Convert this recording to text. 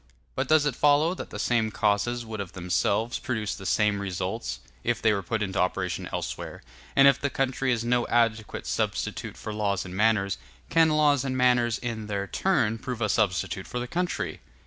But does it follow that the same causes would of themselves produce the same results, if they were put into operation elsewhere; and if the country is no adequate substitute for laws and manners, can laws and manners in their turn prove a substitute for the country?